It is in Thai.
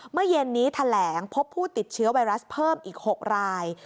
เมื่อเย็นนี้แถลงพบผู้ติดเชื้อไวรัสเพิ่มอีก๖ราย